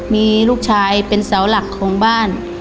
มีลูกชายเป็นเสาหลักของบ้าน